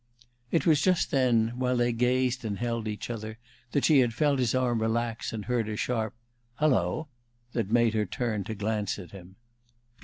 It was just then, while they gazed and held each other, that she had felt his arm relax, and heard a sharp "Hullo!" that made her turn to glance at him.